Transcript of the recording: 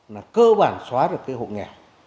là cơ bản xóa được cái hộ nghèo